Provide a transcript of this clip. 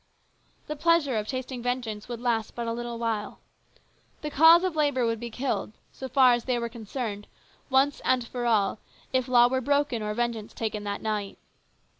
The pleasure of tasting vengeance would last but a little while. The cause of labour would be killed, so far as they were concerned, once and for all, if law were broken or vengeance taken that night.